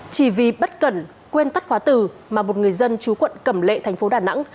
chỉ vì bất cẩn quên tắt khóa từ mà một người dân chú quận cẩm lệ thành phố đà nẵng